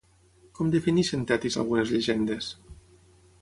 Com defineixen Tetis algunes llegendes?